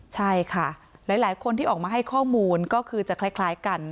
ใช่ค่ะหลายคนที่ออกมาให้ข้อมูลก็คือจะคล้ายกัน